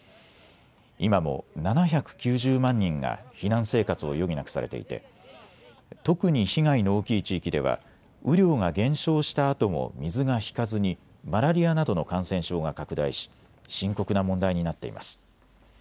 今も７９０万人が避難生活を余儀なくされていて特に被害の大きい地域では雨量が減少したあとも水が引かずにマラリアなどの感染症が拡大し深刻な問題になっています。